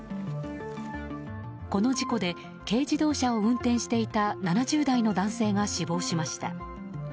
この事故で軽自動車を運転していた７０代の男性が死亡しました。